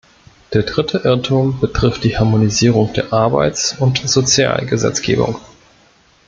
Der dritte Irrtum betrifft die Harmonisierung der Arbeitsund Sozialgesetzgebung.